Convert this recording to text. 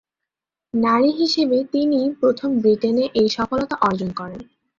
নারী হিসেবে তিনিই প্রথম ব্রিটেনে এই সফলতা অর্জন করেন।